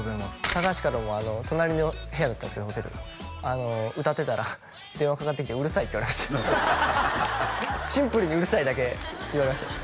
高橋からも隣の部屋だったんですけどホテル歌ってたら電話かかってきて「うるさい」って言われましたシンプルに「うるさい」だけ言われましたね